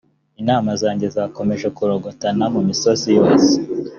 intama zanjye zakomeje kurorongotana mu misozi yose